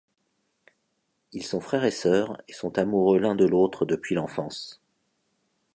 Ils sont frère et sœur et sont amoureux l’un de l’autre depuis l’enfance.